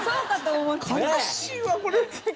悲しいわこれ。